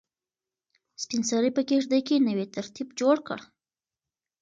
سپین سرې په کيږدۍ کې نوی ترتیب جوړ کړ.